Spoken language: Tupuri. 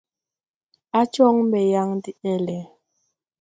A joŋ mbe yaŋ de ɛlɛ.